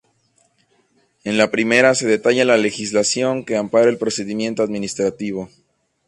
En la primera se detalla la legislación que ampara el procedimiento administrativo.